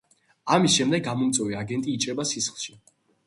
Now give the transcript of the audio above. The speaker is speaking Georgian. ამის შემდეგ გამომწვევი აგენტი იჭრება სისხლში.